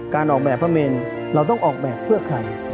การออกแบบพระเมนเราต้องออกแบบเพื่อใคร